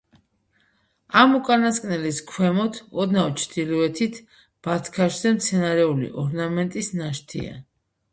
ამ უკანასკნელის ქვემოთ, ოდნავ ჩრდილოეთით, ბათქაშზე მცენარეული ორნამენტის ნაშთია.